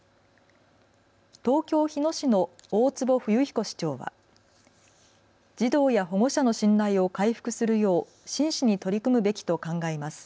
東京日野市の大坪冬彦市長は児童や保護者の信頼を回復するよう真摯に取り組むべきと考えます。